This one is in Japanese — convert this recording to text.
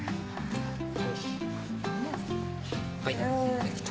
よしはいできた。